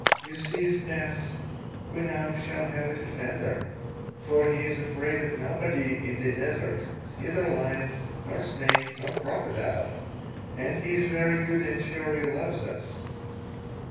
"You see, Stas; we now shall have a defender. For he is afraid of nobody in the desert neither lion, nor snake, nor crocodile. And he is very good and surely loves us."